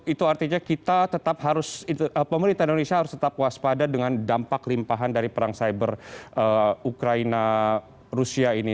itu artinya kita tetap harus pemerintah indonesia harus tetap waspada dengan dampak limpahan dari perang cyber ukraina rusia ini